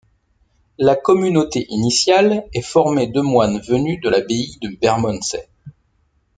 La communauté initiale est formée de moines venus de l'abbaye de Bermondsey.